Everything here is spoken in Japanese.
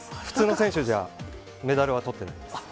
普通の選手じゃ、メダルはとってないです。